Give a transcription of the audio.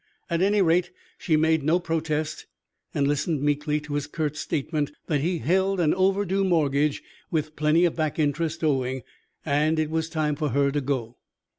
At any rate, she made no protest, and listened meekly to his curt statement that he held an overdue mortgage, with plenty of back interest owing, and it was time for her to go.